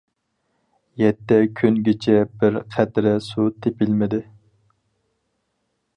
يەتتە كۈنگىچە بىر قەترە سۇ تېپىلمىدى.